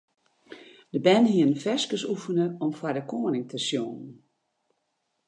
De bern hiene ferskes oefene om foar de koaning te sjongen.